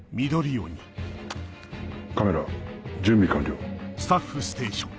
カメラ準備完了。